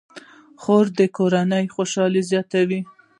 خوړل د کورنۍ خوشالي زیاته وي